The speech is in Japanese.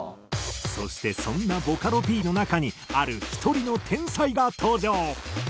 そしてそんなボカロＰの中にある１人の天才が登場。